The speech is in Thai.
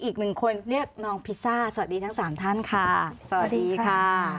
อีกหนึ่งคนเรียกน้องพิซซ่าสวัสดีทั้งสามท่านค่ะสวัสดีค่ะ